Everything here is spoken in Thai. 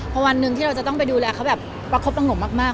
พอวันหนึ่งที่เราจะต้องไปดูแลเขาแบบประคบประงมมาก